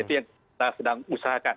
kita sedang usahakan